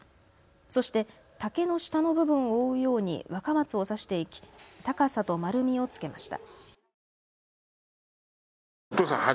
そして竹の下の部分を覆うように若松を挿していき高さと丸みをつけました。